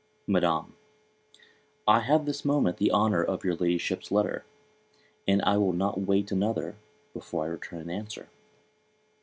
Madam, I HAVE this moment the honour of your Ladyship's Letter, and I will not wait another, before I return an answer.